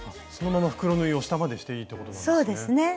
そのまま袋縫いを下までしていいっていうことなんですね。